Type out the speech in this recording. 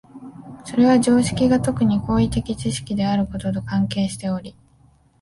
それは常識が特に行為的知識であることと関係しており、